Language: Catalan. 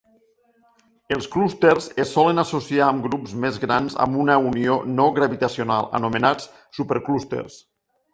Els clústers es solen associar amb grups més grans amb una unió no gravitacional anomenats superclústers.